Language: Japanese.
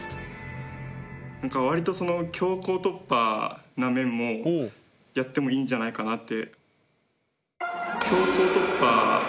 なんか割と強行突破な面もやってもいいんじゃないかなって。